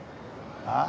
あっ？